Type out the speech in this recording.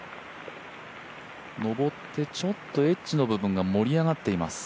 上って、エッジの部分が盛り上がっています。